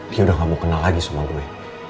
dia udah gak mau kenal lagi sama gue